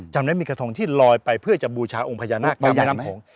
จำได้มีกระทงที่ลอยไปเพื่อจะบูชาองค์พญานาคในแม่น้ำโขง